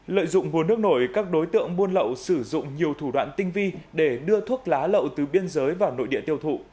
lợi dụng nguồn nước nổi các đối tượng buôn lậu sử dụng nhiều thủ đoạn tinh vi để đưa thuốc lá lậu từ biên giới vào nội địa tiêu thụ